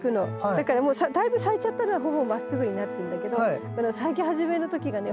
だからだいぶ咲いちゃったのはほぼまっすぐになってんだけどこの咲き始めの時がね